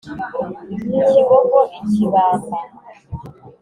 kibogo i kibamba,